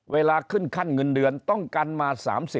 เวลาขึ้นขั้นเงินเดือนต้องกันมา๓๐